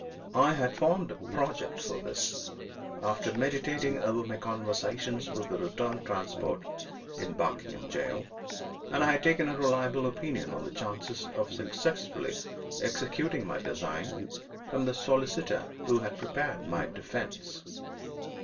I had formed a project for this, after meditating over my conversations with the returned transport in Barkingham jail, and I had taken a reliable opinion on the chances of successfully executing my design from the solicitor who had prepared my defense.